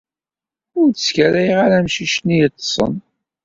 Ur d-sekkaray ara amcic-nni yeṭsen.